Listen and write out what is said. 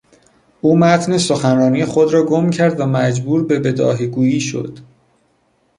او متن سخنرانی خود را گم کرد و مجبور به بداهه گویی شد.